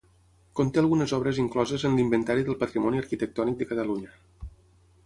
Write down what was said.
Conté algunes obres incloses en l'Inventari del Patrimoni Arquitectònic de Catalunya.